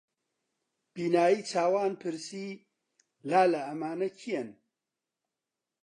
بینایی چاوان پرسی: لالە ئەمانە کێن؟